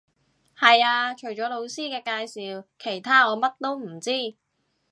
係呀，除咗老師嘅介紹，其他我乜都唔知